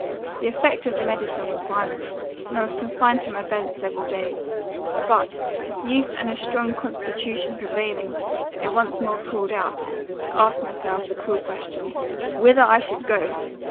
The effect of the medicine was violent, and I was confined to my bed several days; but, youth and a strong constitution prevailing, I once more crawled out, to ask myself the cruel question, 'Whither I should go?